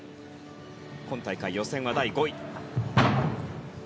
今大会、予選は第５位。